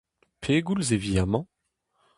Pegoulz e vi amañ ?